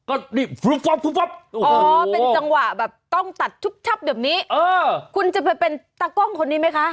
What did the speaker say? เอ้อเป็นจังหวะแบบต้องตัดถุ๊บชับเดี๋ยวไหมคุณจะเป็นตากล้องคนนี้ไหมคะ